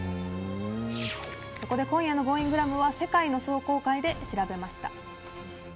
そこで今夜のＧｏｉｎｇｒａｍは「＃世界の壮行会」で調べました。